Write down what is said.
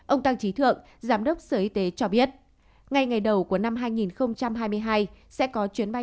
ông tăng trí thượng giám đốc sở y tế cho biết ngay ngày đầu của năm hai nghìn hai mươi hai sẽ có chuyến bay